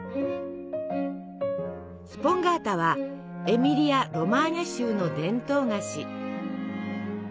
スポンガータはエミリア・ロマーニャ州の伝統菓子。